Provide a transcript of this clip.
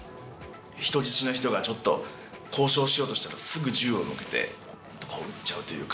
人質の人がちょっと交渉しようとしたらすぐ銃を向けてこう撃っちゃうというか。